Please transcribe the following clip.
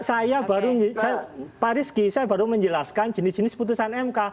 saya baru pak rizky saya baru menjelaskan jenis jenis putusan mk